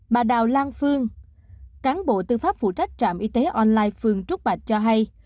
bà đào lan phương cán bộ tư pháp phụ trách trạm y tế online phương trúc bạch cho hay